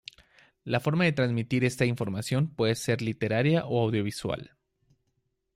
La forma de transmitir esta información puede ser literaria o audiovisual.